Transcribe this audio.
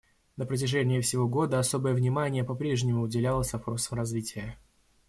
На протяжении всего года особое внимание по прежнему уделялось вопросам развития.